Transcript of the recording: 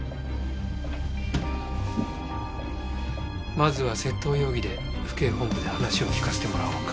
まずは窃盗容疑で府警本部で話を聞かせてもらおうか。